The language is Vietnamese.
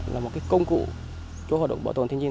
là một công cụ cho hoạt động bảo tồn thế nhiên